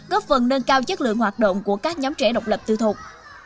góp phần nâng cao chất lượng hoạt động của các nhóm trẻ độc lập tư thuộc